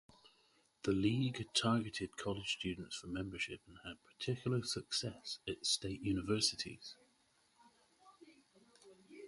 The League targeted college students for membership and had particular success at state universities.